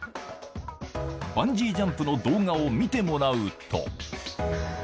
バンジージャンプの動画を見てもらうと。